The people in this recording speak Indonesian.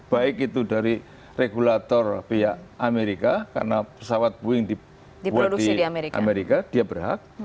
baik itu dari regulator pihak amerika karena pesawat boeing dibuat di amerika dia berhak